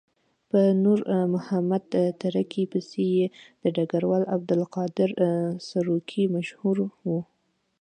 په نور محمد تره کي پسې یې د ډګروال عبدالقادر سروکي مشهور وو.